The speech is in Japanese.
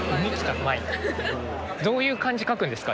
どういう漢字書くんですか？